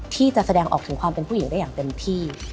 ที่จะแสดงออกถึงความเป็นผู้หญิงได้อย่างเต็มที่